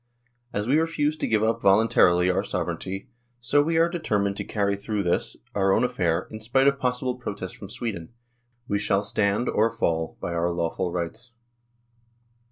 As we refuse to give up voluntarily our sovereignty, so we are determined to carry through this, our own affair, in spite of possible G 2 84 NORWAY AND THE UNION WITH SWEDEN protest from Sweden ; we shall stand or fall by our lawful rights.